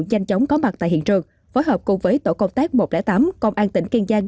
nhanh chóng có mặt tại hiện trường phối hợp cùng với tổ công tác một trăm linh tám công an tỉnh kiên giang